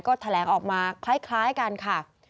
ก็แถลงออกมาคล้ายกันค่ะ